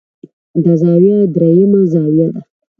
دا زاويه درېيمه زاويه ده